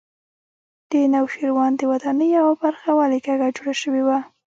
د نوشیروان د ودانۍ یوه برخه ولې کږه جوړه شوې وه.